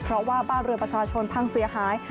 เพราะว่าบ้านเรือประชาชนพังเสียหาย